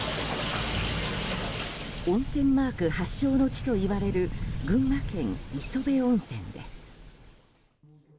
温泉マーク発祥の地といわれる群馬県磯部温泉です。